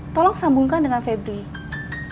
tolong sambungkan dengan febrin